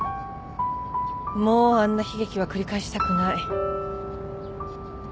もうあんな悲劇は繰り返したくない。